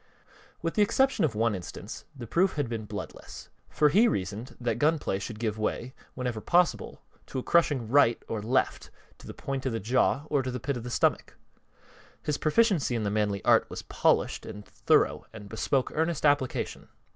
With the exception of one instance the proof had been bloodless, for he reasoned that gun play should give way, whenever possible, to a crushing "right" or "left" to the point of the jaw or the pit of the stomach. His proficiency in the manly art was polished and thorough and bespoke earnest application.